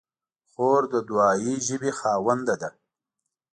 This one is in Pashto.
خور د دعایي ژبې خاوندې ده.